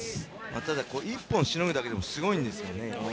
ただ、１本しのぐだけでもすごいんですよね。